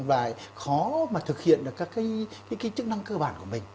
và khó thực hiện các cái chức năng cơ bản của mình